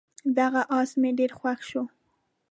دغه اس مې ډېر خوښ شو.